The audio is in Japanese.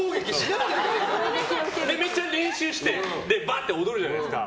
めちゃめちゃ練習してバーって踊るじゃないですか。